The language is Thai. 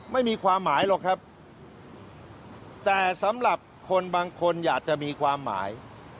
ไม่มีความหมายหรอกครับแต่สำหรับคนบางคนอยากจะมีความหมาย